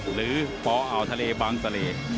หรือปอาวทะเลบางทะเล